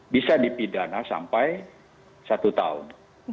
bisa dipidana sampai satu tahun